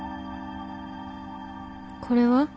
これは？